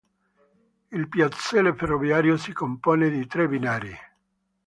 Il piazzale ferroviario si compone di tre binari.